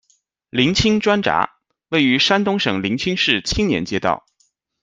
临清砖闸，位于山东省临清市青年街道。